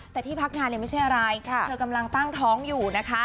แต่ที่พักงานเนี่ยไม่ใช่อะไรเธอกำลังตั้งท้องอยู่นะคะ